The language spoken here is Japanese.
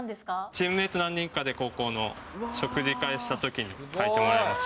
チームメート何人かで、高校の、食事会したときに書いてもらいました。